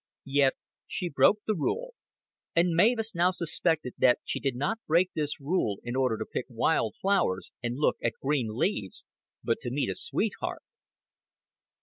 Yet she broke the rule; and Mavis now suspected that she did not break this rule in order to pick wild flowers and look at green leaves but to meet a sweetheart.